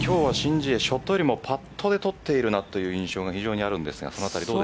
ジエショットよりもパットで取っているなという印象が非常にあるんですが。